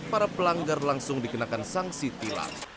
para pelanggar langsung dikenakan sanksi tilang